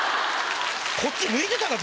こっち向いてたか？